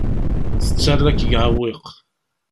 Tettarra-k deg uɛewwiq.